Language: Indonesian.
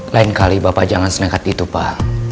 lain kali bapak jangan senekat itu pak